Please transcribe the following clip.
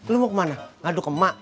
lu mau kemana ngaduk emak